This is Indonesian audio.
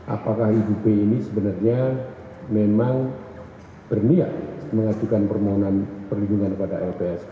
apakah ibu p ini sebenarnya memang berniat mengajukan permohonan perlindungan kepada lpsk